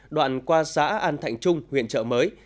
đoạn qua xã an thạnh trung huyện trợ mới